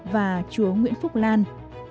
và chúa nguyễn phúc lan